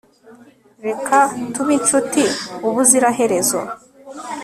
reka tube inshuti ubuziraherezo